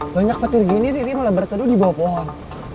banyak setir gini riri malah bertarung dibawah pohon